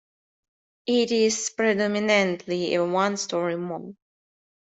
It is predominantly a one-story mall.